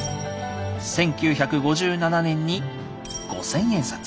１９５７年に五千円札。